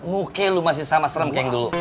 muka lo masih sama serem kayak yang dulu